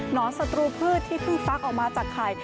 อนศัตรูพืชที่เพิ่งฟักออกมาจากไข่